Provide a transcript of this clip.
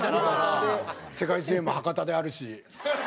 世界水泳も博多であるし。